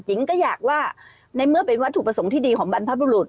หญิงก็อยากว่าในเมื่อเป็นวัตถุประสงค์ที่ดีของบรรพบุรุษ